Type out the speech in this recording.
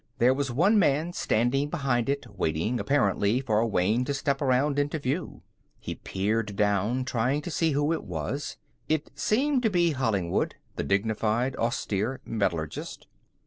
There was one man standing behind it, waiting, apparently, for Wayne to step around into view. He peered down, trying to see who it was. It seemed to be Hollingwood, the dignified, austere metallurgist.